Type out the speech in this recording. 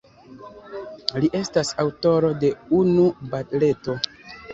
Li estas aŭtoro de unu baleto.